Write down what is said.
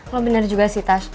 lo benar juga sih tas